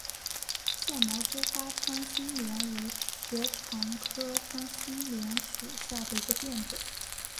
腺毛疏花穿心莲为爵床科穿心莲属下的一个变种。